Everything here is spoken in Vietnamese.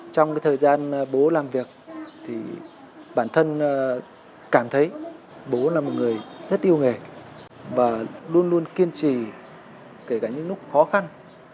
trong thời gian bố làm việc thì bản thân cảm thấy bố là một người rất yêu nghề và luôn luôn kiên trì kể cả những lúc khó khăn